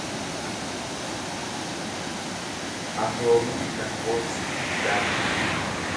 Atoomiin lakkoofsa addaa qaba.